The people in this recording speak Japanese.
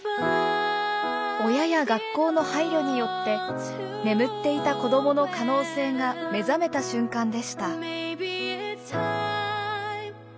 親や学校の配慮によって眠っていた子どもの可能性が目覚めた瞬間でした。